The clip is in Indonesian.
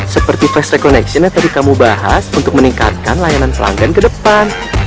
seperti face reconnection yang tadi kamu bahas untuk meningkatkan layanan pelanggan ke depan